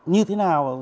như thế nào